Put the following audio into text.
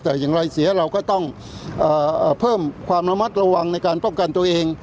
แต่อย่างไรเสียเราก็ต้องเพิ่มความระมัดระวังในการป้องกันตัวเอง